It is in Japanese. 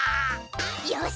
よし！